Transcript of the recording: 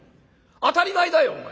当たり前だよお前。